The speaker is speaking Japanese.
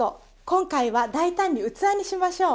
今回は大胆に器にしましょう。